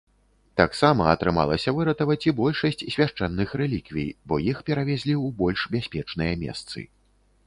Таксама атрымалася выратаваць і большасць свяшчэнных рэліквій, бо іх перавезлі у больш бяспечныя месцы.